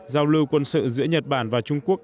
giao lưu quân sự giữa nhật bản và trung quốc